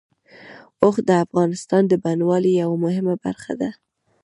اوښ د افغانستان د بڼوالۍ یوه مهمه برخه ده.